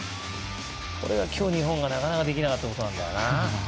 これが今日、日本がなかなかできなかったことなんだよな。